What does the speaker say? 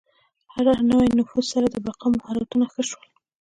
هر نوي نفوذ سره د بقا مهارتونه ښه شول.